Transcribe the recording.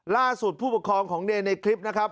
ล่าสุดผู้ปกครองของเนรียมในคลิปนะครับ